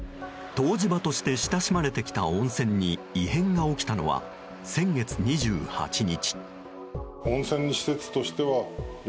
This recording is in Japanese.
湯治場として親しまれてきた温泉に異変が起きたのは先月２８日。